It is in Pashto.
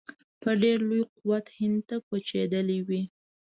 په ډېر لوی قوت هند ته کوچېدلي وي.